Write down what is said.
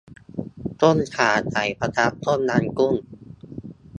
ต้มข่าไก่ ปะทะ ต้มยำกุ้ง